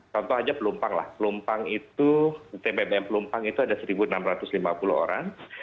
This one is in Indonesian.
contoh aja pelumpang lah pelumpang itu tbbm pelumpang itu ada satu enam ratus lima puluh orang